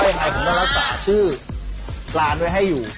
เย็นแขมผมก็แล้วจ่อชื่อร้านไว้ให้อยู่